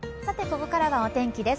ここからはお天気です。